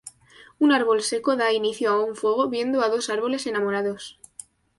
Un árbol seco da inicio a un fuego viendo a dos árboles enamorados.